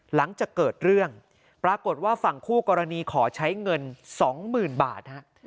หลังจากเกิดเรื่องปรากฏว่าฝั่งคู่กรณีขอใช้เงิน๒๐๐๐บาท